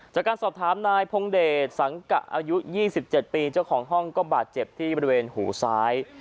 จากการสอบถามนายพงเดชสังกะอายุ๒๗ปีเจ้าของห้องก็บาดเจ็บที่บริเวณหูซ้าย